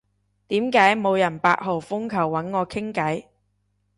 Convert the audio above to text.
點解冇人八號風球搵我傾偈？